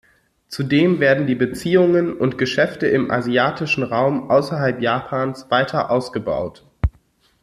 Zudem werden die Beziehungen und Geschäfte im asiatischen Raum außerhalb Japans weiter ausgebaut.